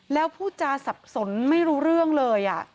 แล้วพูดจาสับสนไม่รู้เรื่องเลย